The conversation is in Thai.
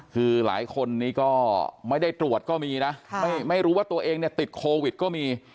คือหลายคนนี้ก็ไม่ได้ตรวจก็มีนะไม่รู้ว่าตัวเองเนี่ยติดโควิดก็มี